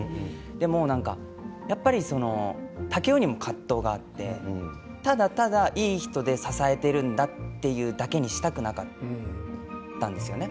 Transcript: でも竹雄にも葛藤があってただただいい人で支えているんだというだけにしたくなかったんですよね。